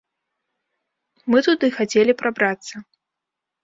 Мы туды хацелі прабрацца!